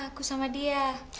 aku sama dia